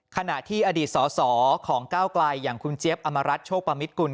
ขณะที่อดีตสอสอของก้าวไกลอย่างคุณเจี๊ยบอมรัฐโชคประมิตกุล